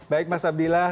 baik mas abdillah